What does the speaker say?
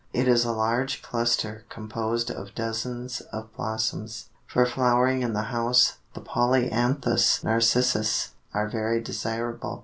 It is a large cluster composed of dozens of blossoms. For flowering in the house the Polyanthus Narcissus are very desirable.